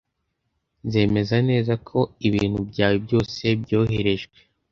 Nzemeza neza ko ibintu byawe byose byoherejwe.